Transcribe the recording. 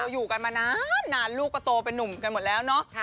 อยู่กันมานานลูกก็โตเป็นนุ่มกันหมดแล้วเนาะ